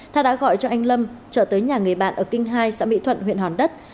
tha đã gọi cho anh lâm trở tới nhà người bạn ở kinh hai xã mỹ thuận huyện hòn đất